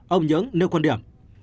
ông nhưỡng nêu quan điểm